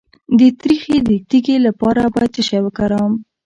د تریخي د تیږې لپاره باید څه شی وکاروم؟